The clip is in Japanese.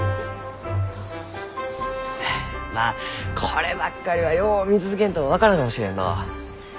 フッまあこればっかりはよう見続けんと分からんかもしれんのう。